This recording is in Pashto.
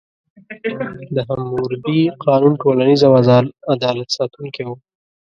د حموربي قانون ټولنیز او عدالت ساتونکی و.